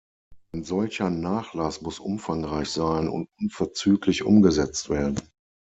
Ein solcher Nachlass muss umfangreich sein und unverzüglich umgesetzt werden.